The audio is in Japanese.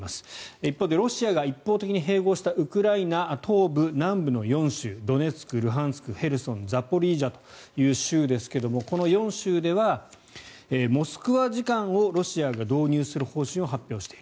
一方でロシアが一方的に併合したウクライナ東部、南部の４州ドネツク、ルハンシクザポリージャ、ドンバスの４州ですがこの４州ではモスクワ時間をロシアが導入する方針を発表している。